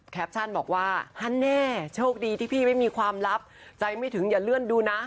ชั่นบอกว่าฮันแน่โชคดีที่พี่ไม่มีความลับใจไม่ถึงอย่าเลื่อนดูนะ